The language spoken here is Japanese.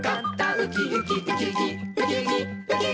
「ウキウキウキウキウキウキ」